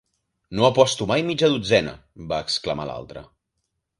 "No aposto mai mitja dotzena!", va exclamar l'altre.